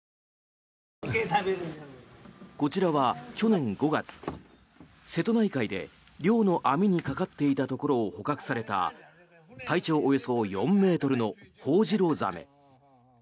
こちらは去年５月、瀬戸内海で漁の網にかかっていたところを捕獲された体長およそ４ｍのホホジロザメ。